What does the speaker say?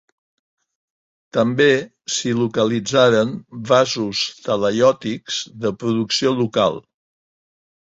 També s'hi localitzaren vasos talaiòtics, de producció local.